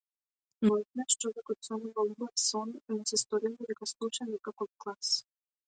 Но еднаш човекот сонувал убав сон и му се сторило дека слуша некаков клас.